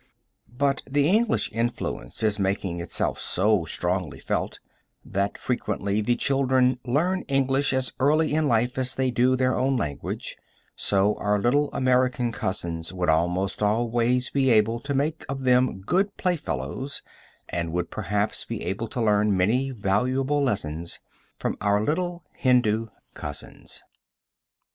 But the English influence is making itself so strongly felt, that frequently the children learn English as early in life as they do their own language; so our little American cousins would almost always be able to make of them good playfellows and would perhaps be able to learn many valuable lessons from Our Little Hindu Cousins.